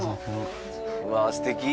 うわすてき。